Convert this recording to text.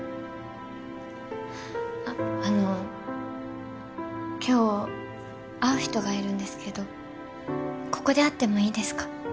あっあの今日会う人がいるんですけどここで会ってもいいですか？